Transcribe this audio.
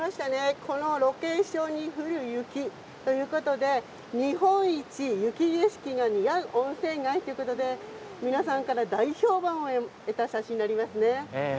このロケーションに冬、雪ということで日本一雪景色が似合う温泉街ということで皆さんから大評判を得た写真になりますね。